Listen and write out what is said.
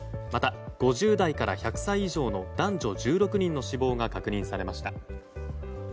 また５０代から１００歳以上の男女１６人の死亡が確認されました。